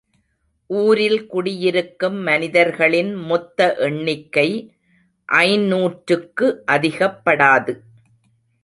ஊரில் குடியிருக்கும் மனிதர்களின் மொத்த எண்ணிக்கை ஐந்நூற்றுக்கு அதிகப்படாது.